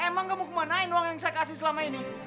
emang kamu kemanain uang yang saya kasih selama ini